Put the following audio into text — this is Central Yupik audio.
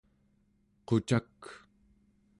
qucak